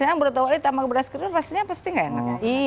sekarang beroto wali tambah beras kencur rasanya pasti gak enak